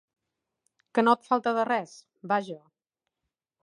Que no et falta de res, vaja.